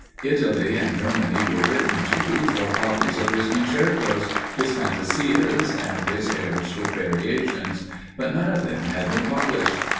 Italy and Germany were written to for copies of his concertos, his fantasias, and his airs with variations, but none of them had been published.